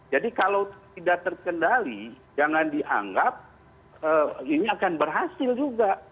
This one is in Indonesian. jadi kalau tidak terkendali jangan dianggap ini akan berhasil juga